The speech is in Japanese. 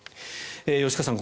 吉川さん